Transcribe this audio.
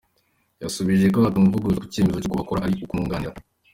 Yasubije ko atamuvuguruza ku cyemezo cye kuko icyo akora ari ukumwunganira.